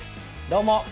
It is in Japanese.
どうも！